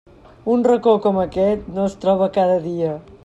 Un racó com aquest no es troba cada dia.